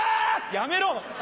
「やめろ！